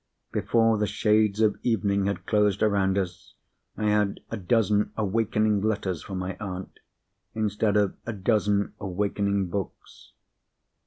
Before the shades of evening had closed around us, I had a dozen awakening letters for my aunt, instead of a dozen awakening books.